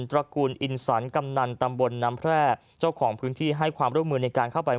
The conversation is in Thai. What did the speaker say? ตระกูลอินสันกำนันตำบลน้ำแพร่เจ้าของพื้นที่ให้ความร่วมมือในการเข้าไป